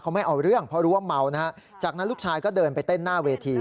เขาไม่เอาเรื่องเพราะรู้ว่าเมานะฮะจากนั้นลูกชายก็เดินไปเต้นหน้าเวที